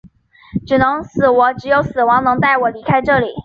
只有死亡能带我离开这里！